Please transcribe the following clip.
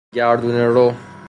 گردونه رو